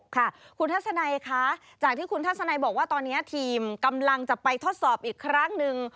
ค่ะคุณทัศนัยคะจากที่คุณทัศนัยบอกว่าตอนนี้ทีมกำลังจะไปทดสอบอีกครั้งหนึ่ง